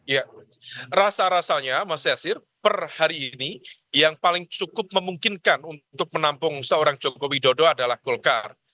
ya rasa rasanya mas yasir per hari ini yang paling cukup memungkinkan untuk menampung seorang jokowi dodo adalah golkar